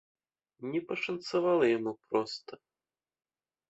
Не пашанцавала яму проста.